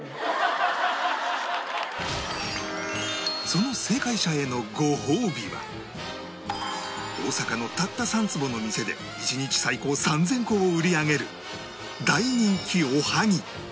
その正解者へのご褒美は大阪のたった３坪の店で１日最高３０００個を売り上げる大人気おはぎ